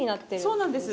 そうなんです。